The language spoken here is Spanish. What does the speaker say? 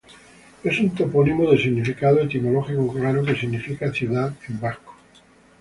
Es un topónimo de significado etimológico claro que significa "ciudad" en vasco.